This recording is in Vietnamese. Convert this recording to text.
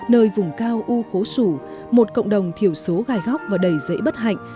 nơi vùng cao u khố sủ một cộng đồng thiểu số gai góc và đầy dễ bất hạnh